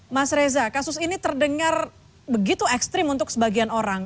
mas reza kasus ini terdengar begitu ekstrim untuk sebagian orang